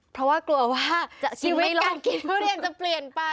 เพราะว่ากลัวว่าชีวิตการกินทุเรียนจะเปลี่ยนไป